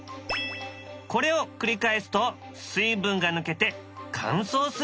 これを繰り返すと水分が抜けて乾燥するというわけだ。